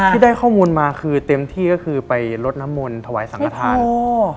ที่ได้ข้อมูลมาคือเต็มที่ก็คือไปลดน้ำมนต์ถวายสังขทานอ๋อ